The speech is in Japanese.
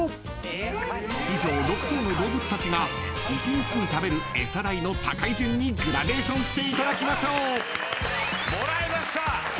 ［以上６頭の動物たちが１日に食べるエサ代の高い順にグラデーションしていただきましょう］もらいました！